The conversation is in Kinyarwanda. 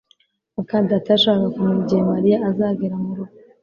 muka data yashakaga kumenya igihe Mariya azagera murugo